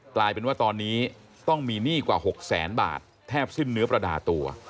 กลายเป็นว่าตอนนี้ต้องมีหนี้กว่า๖แสนบาทแทบสิ้นเนื้อประดาตัว